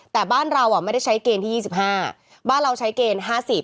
แต่บ้านเราไม่ได้ใช้เกณฑ์ที่๒๕บ้านเราใช้เกณฑ์๕๐